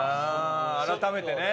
改めてね。